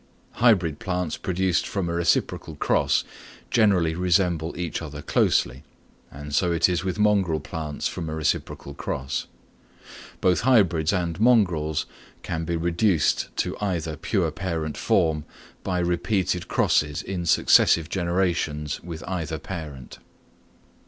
Hybrid plants produced from a reciprocal cross generally resemble each other closely, and so it is with mongrel plants from a reciprocal cross. Both hybrids and mongrels can be reduced to either pure parent form, by repeated crosses in successive generations with either parent.